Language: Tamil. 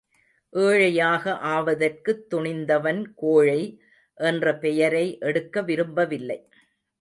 ஏழையாக ஆவதற்குத் துணிந்தவன் கோழை என்ற பெயரை எடுக்க விரும்பவில்லை.